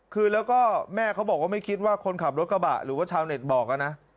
คือแล้วก็แม่เขาบอกว่าไม่คิดว่าคนขับรถกระบะหรือว่าชาวเน็ตบอกนะ